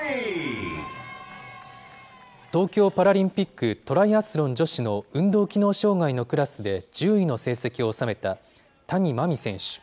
東京パラリンピックトライアスロン女子の運動機能障害のクラスで１０位の成績を収めた谷真海選手。